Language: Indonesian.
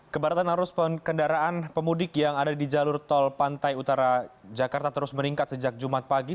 kebaratan arus kendaraan pemudik yang ada di jalur tol pantai utara jakarta terus meningkat sejak jumat pagi